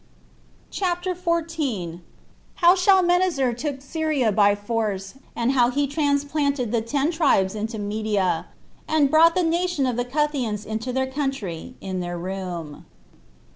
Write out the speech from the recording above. CHAPTER 14. How Shalmaneser Took Samaria By Force And How He Transplanted The Ten Tribes Into Media, And Brought The Nation Of The Cutheans Into Their Country [In Their Room].